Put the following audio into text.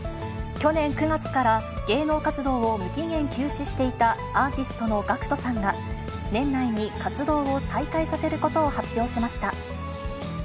去年９月から、芸能活動を無期限休止していたアーティストのＧＡＣＫＴさんが、年内に活動を再開させることを発表しました。